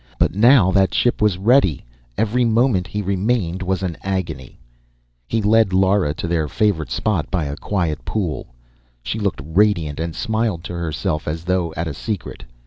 But now that the ship was ready, every moment he remained was an agony. He led Lara to their favorite spot by a quiet pool. She looked radiant, and smiled to herself, as though at a secret.